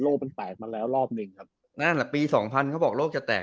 มันแตกมาแล้วรอบหนึ่งครับนั่นแหละปีสองพันเขาบอกโลกจะแตก